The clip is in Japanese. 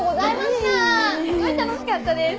すごい楽しかったです。